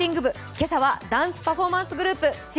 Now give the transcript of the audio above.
今朝はダンスパフォーマンスグループ、ｓ＊